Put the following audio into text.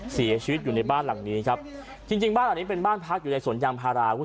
เสียชีวิตอยู่ในบ้านหลังนี้ครับจริงจริงบ้านหลังนี้เป็นบ้านพักอยู่ในสวนยางพาราคุณผู้ชม